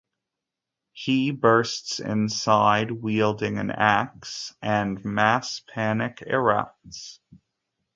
He bursts inside wielding an axe and mass panic erupts.